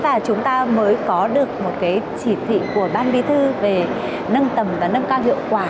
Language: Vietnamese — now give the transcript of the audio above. và chúng ta mới có được một cái chỉ thị của ban bí thư về nâng tầm và nâng cao hiệu quả